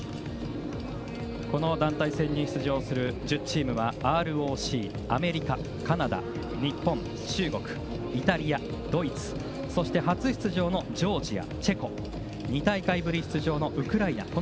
団体戦に出場する１０チームはＲＯＣ、アメリカ、カナダ、日本中国、イタリア、ドイツそして初出場のジョージアそしてチェコ２大会ぶり出場のウクライナ